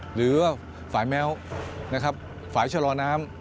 หรือว่าฝ่ายแม้วฝ่ายชะลอน้ำ